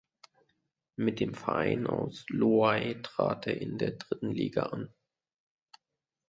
Mit dem Verein aus Loei trat er in der dritten Liga an.